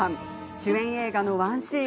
主演映画のワンシーン。